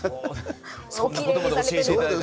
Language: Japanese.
そんなことまで教えて頂いてね。